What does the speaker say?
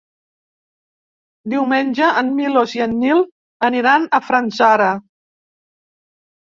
Diumenge en Milos i en Nil aniran a Fanzara.